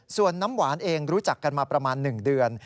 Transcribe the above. ส่วนน้ำหวานเองรู้จักกันมาประมาณ๑เดือน